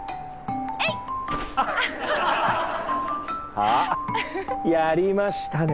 あっやりましたね。